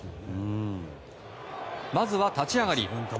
まずは立ち上がり。